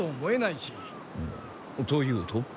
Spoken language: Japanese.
というと？